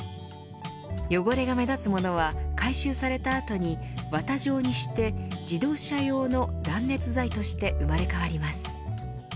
汚れが目立つものは回収された後に綿状にして自動車用の断熱材として生まれ変わります。